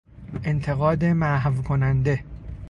انتقاد محوکننده